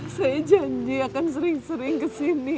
saya janji akan sering sering kesini